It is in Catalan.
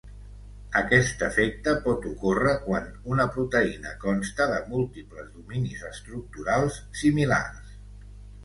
Aquest efecte pot ocórrer quan una proteïna consta de múltiples dominis estructurals similars.